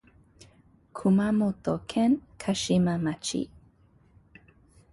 熊本県嘉島町